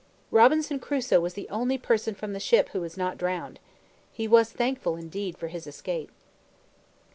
Robinson Crusoe was the only person from the ship who was not drowned. He was thankful indeed for his escape.